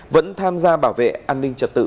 vẫn tham gia bảo vệ an ninh trật tự